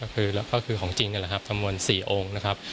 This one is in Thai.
ก็คือของจริงนะครับทั้งหมด๔องค์นะครับ